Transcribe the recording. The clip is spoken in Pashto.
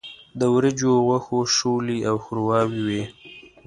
د وریجو، غوښو، شولې او ښورواوې وو.